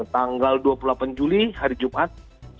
tanggal dua puluh delapan juli hari jumat